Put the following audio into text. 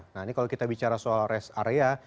nah ini kalau kita bicara soal rest area